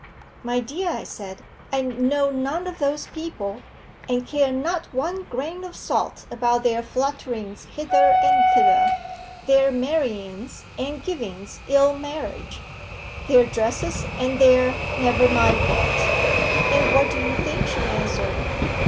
"My dear," I said, "I know none of those people, and care not one grain of salt about their flutterings hither and thither, their marryings and givings ill marriage, their dresses and their never mind what." And what do you think she answered?